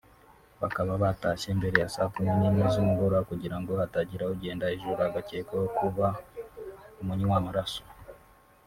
bakaba batashye mbere ya saa kumi n’imwe z’umugoroba kugira ngo hatagira ugenda ijoro agakekwaho kuba umunywamaraso